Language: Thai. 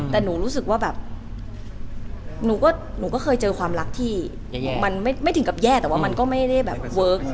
แต่หนูรู้สึกว่าหนูก็เคยเจอความรักที่ไม่ถึงแย่แต่ก็มันไม่ได้เวิร์ค